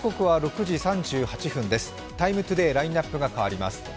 「ＴＩＭＥ，ＴＯＤＡＹ」ラインナップがかわります。